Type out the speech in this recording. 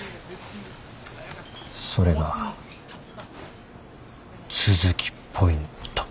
それが都築ポイント。